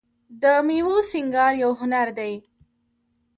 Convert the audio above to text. د میوو سینګار یو هنر دی.